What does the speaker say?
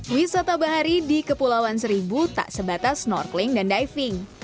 wisata bahari di kepulauan seribu tak sebatas snorkeling dan diving